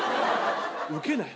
ウケない？